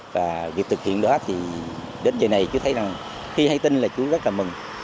và việc thực hiện đó thì đến giờ này chú thấy rằng khi hay tin là chú rất là mừng